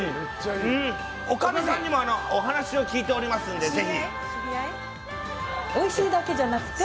おかみさんにもお話を聞いておりますのでぜひ。